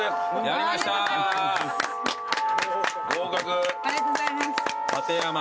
ありがとうございます。